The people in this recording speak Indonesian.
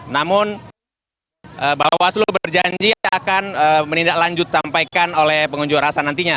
namun bawaslu berjanji akan menindaklanjut sampaikan oleh pengunjuk rasa nantinya